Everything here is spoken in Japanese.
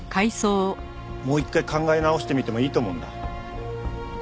もう一回考え直してみてもいいと思うんだ。